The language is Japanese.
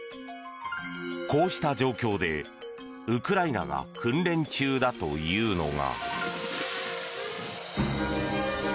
こうした状況でウクライナが訓練中だというのが。